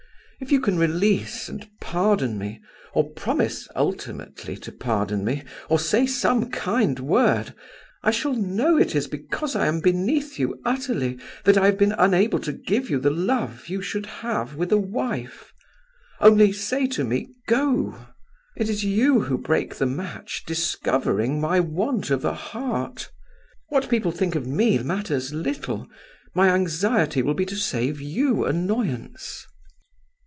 If you can release and pardon me, or promise ultimately to pardon me, or say some kind word, I shall know it is because I am beneath you utterly that I have been unable to give you the love you should have with a wife. Only say to me, go! It is you who break the match, discovering my want of a heart. What people think of me matters little. My anxiety will be to save you annoyance."